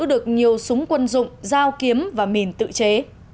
được nhiều súng quân dụng dao kiếm và mìn tự chế